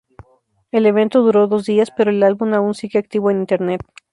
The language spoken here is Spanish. El evento duró dos días, pero el álbum aún sigue activo en Internet.